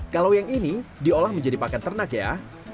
kalau yang ini diolah menjadi pakan ternak ya